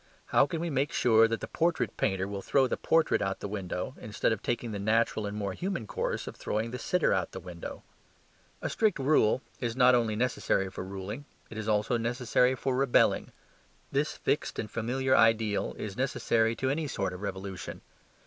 How can we make sure that the portrait painter will throw the portrait out of window instead of taking the natural and more human course of throwing the sitter out of window? A strict rule is not only necessary for ruling; it is also necessary for rebelling. This fixed and familiar ideal is necessary to any sort of revolution.